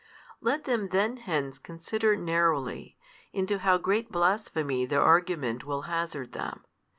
|192 Let them then hence consider narrowly, into how great blasphemy their argument will hazard them.